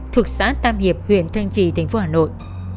thuộc xã tam hiệp huyện thanh trì thành phố hà nội